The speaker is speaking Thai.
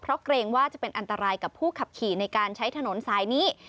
เพราะเกรงว่าจะเป็นอันตรายกับผู้ขับขี่ในการใช้ถนนสายนี้